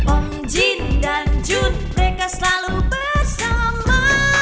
om jin dan jun mereka selalu bersama